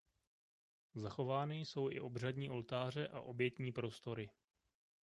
Zachovány jsou i obřadní oltáře a obětní prostory.